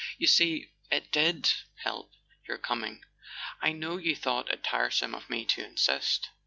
"You see, it did help, your coming. I know you thought it tiresome of me to insist."